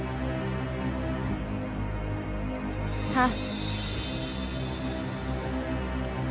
さあ。